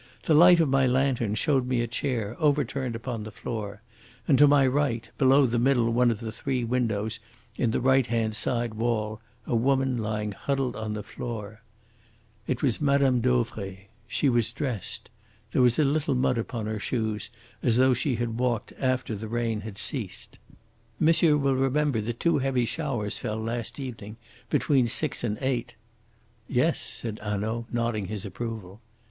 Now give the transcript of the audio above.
The light of my lantern showed me a chair overturned upon the floor, and to my right, below the middle one of the three windows in the right hand side wall, a woman lying huddled upon the floor. It was Mme. Dauvray. She was dressed. There was a little mud upon her shoes, as though she had walked after the rain had ceased. Monsieur will remember that two heavy showers fell last evening between six and eight." "Yes," said Hanaud, nodding his approval.